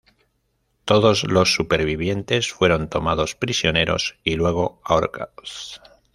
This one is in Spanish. Todos los supervivientes fueron tomados prisioneros y luego ahorcados.